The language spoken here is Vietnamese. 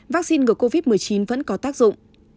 vắc xin ngừa covid một mươi chín vẫn có tác dụng